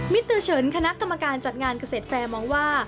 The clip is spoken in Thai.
ตือเฉินคณะกรรมการจัดงานเกษตรแฟร์มองว่า